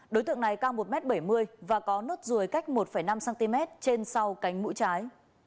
đối tượng này cao một m bảy mươi và có nốt ruồi cách một năm cm trên sau cánh mũi trái